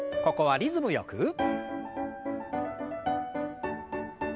ここはリズムよく。